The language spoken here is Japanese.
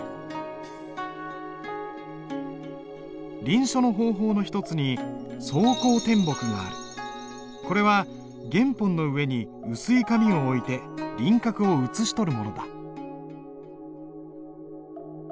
臨書の方法の一つにこれは原本の上に薄い紙を置いて輪郭を写し取るものだ。